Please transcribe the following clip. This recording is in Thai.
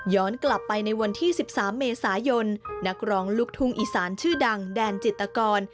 กลับไปในวันที่๑๓เมษายนนักร้องลูกทุ่งอีสานชื่อดังแดนจิตกร